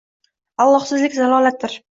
Аllohsizlik zalolatdir